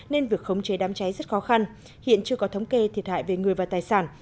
nên việc khống chế đám cháy rất khó khăn hiện chưa có thống kê thiệt hại về người và tài sản